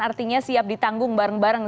artinya siap ditanggung bareng bareng